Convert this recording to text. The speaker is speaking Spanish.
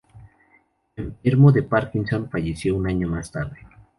Enfermo de parkinson, falleció un año más tarde.